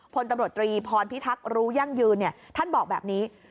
พลตำรวจตรีพรพิทักษ์รู้ยั่งยืนท่านบอกแบบนี้